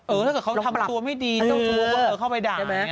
หรือถ้าเขาทำตัวไม่ดีเจ้าสู้เข้าไปด่านี่